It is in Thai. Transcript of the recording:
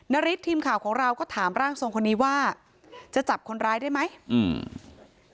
ฤทธิ์ทีมข่าวของเราก็ถามร่างทรงคนนี้ว่าจะจับคนร้ายได้ไหมอืม